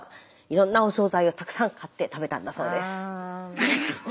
いろんなお総菜をたくさん買って食べたんだそうです。